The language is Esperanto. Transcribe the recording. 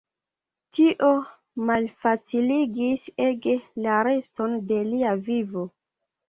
Tio malfaciligis ege la reston de lia vivo.